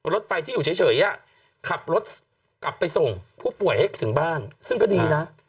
รถไฟที่อยู่เฉยขับรถกลับไปส่งผู้ป่วยให้ถึงบ้านซึ่งก็ดีนะ